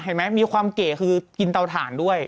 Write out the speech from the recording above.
เห็นไหมมีความเก่าคือกินเตาถ่านด้วย